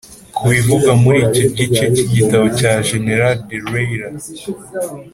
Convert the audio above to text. ku bivugwa muri icyo gice cy'igitabo cya jenerali dallaire